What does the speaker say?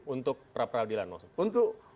untuk pra peradilan maksudnya